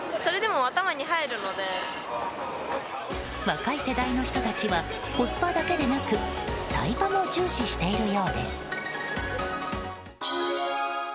若い世代の人たちはコスパだけでなくタイパも重視しているようです。